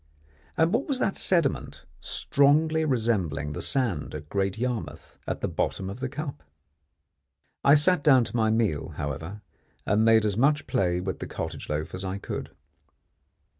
And what was that sediment, strongly resembling the sand at Great Yarmouth, at the bottom of the cup? I sat down to my meal, however, and made as much play with the cottage loaf as I could.